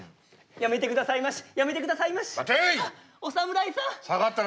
やめてくださいましやめてくださいまし。